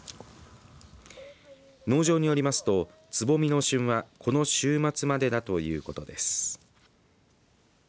農場によりますと、つぼみの旬はこの週末までだということです。